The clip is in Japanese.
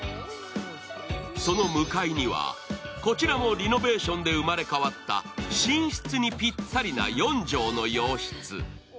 その向かいにはこちらもリノベーションで生まれ変わった寝室にぴったりな４畳の洋室。